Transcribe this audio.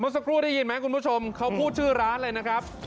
สักครู่ได้ยินไหมคุณผู้ชมเขาพูดชื่อร้านเลยนะครับ